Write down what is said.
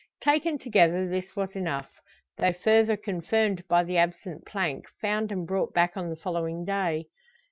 Taken together, this was enough; though further confirmed by the absent plank, found and brought back on the following day.